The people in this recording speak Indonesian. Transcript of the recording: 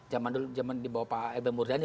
zaman dulu zaman dibawa pak ebay murdani